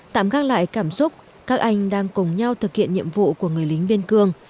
tạm gác lại cảm xúc các anh đang cùng nhau thực hiện nhiệm vụ của người lính biên cương